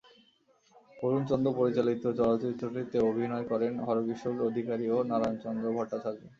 বরুণ চন্দ পরিচালিত চলচ্চিত্রটিতে অভিনয় করেন হরকিশোর অধিকারী এবং নারায়ণচন্দ্র ভট্টাচার্য।